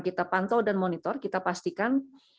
kita pantau dan monitor kita pastikan